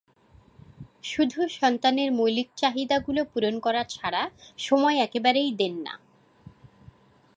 শুধু সন্তানের মৌলিক চাহিদাগুলো পূরণ করা ছাড়া সময় একেবারেই দেন না।